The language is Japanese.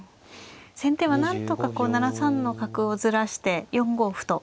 先手はなんとか７三の角をずらして４五歩と。